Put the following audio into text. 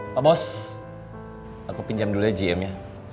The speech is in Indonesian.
pak bos aku pinjam dulunya gm ya